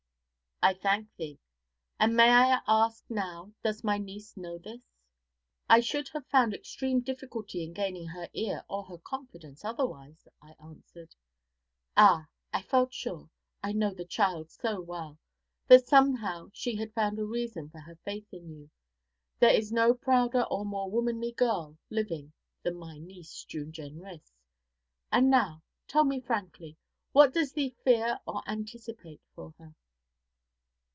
'I thank thee; and may I ask now does my niece know this?' 'I should have found extreme difficulty in gaining her ear or her confidence otherwise,' I answered. 'Ah! I felt sure I know the child so well that somehow she had found a reason for her faith in you. There is no prouder or more womanly girl living than my niece, June Jenrys; and now tell me frankly, what does thee fear or anticipate for her?'